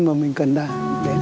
mà mình cần đạt